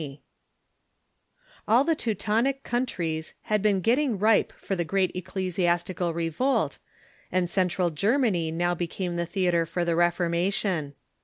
] All the Teutonic countries had been getting ripe for the great ecclesia.stical revolt, and Central Germany now became the theatre for the Reformation.